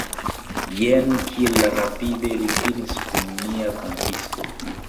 Jen kiel rapide li finis kun nia kantisto!